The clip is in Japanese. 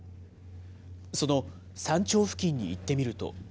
その山頂付近に行ってみると。